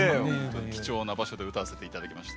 貴重な場所で歌わせて頂きました。